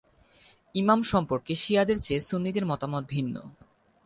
ইমাম সম্পর্কে শিয়াদের চেয়ে সুন্নিদের মতামত ভিন্ন।